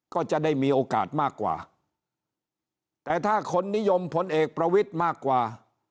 ก็จะได้มีโอกาสมากกว่าแต่ถ้าคนนิยมพลเอกประวิทย์มากกว่า